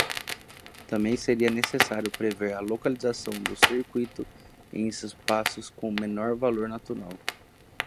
Também seria necessário prever a localização do circuito em espaços com menor valor natural.